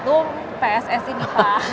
itu pssi bipa